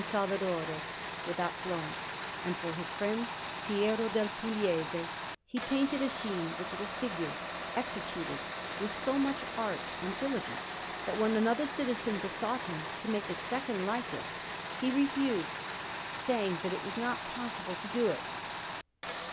Salvadore, without Florence; and for his friend Piero del Pugliese he painted a scene with little figures, executed with so much art and diligence that when another citizen besought him to make a second like it, he refused, saying that it was not possible to do it.